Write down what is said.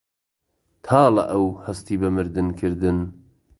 تاڵە ئەو هەستی بە مردن کردن